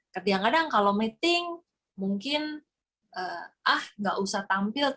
kadang kadang kalau meeting mungkin ah nggak usah tampil